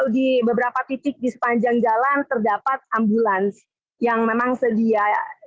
di beberapa titik di sepanjang jalan terdapat ambulans yang memang sedia